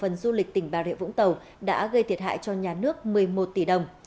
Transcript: hội đồng cổ phần du lịch tỉnh bà rệ vũng tàu đã gây thiệt hại cho nhà nước một mươi một tỷ đồng